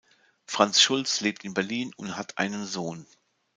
Franz Schulz lebt in Berlin und hat einen Sohn.